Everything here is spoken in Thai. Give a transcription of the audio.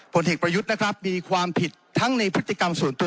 ผลเหตุประยุทธ์มีความผิดทั้งในพฤติกรรมส่วนตัว